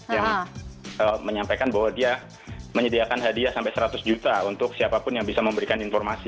yang menyampaikan bahwa dia menyediakan hadiah sampai seratus juta untuk siapapun yang bisa memberikan informasi